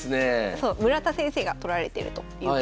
そう村田先生が撮られてるということで。